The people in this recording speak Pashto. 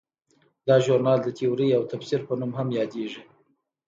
دا ژورنال د تیورۍ او تفسیر په نوم هم یادیږي.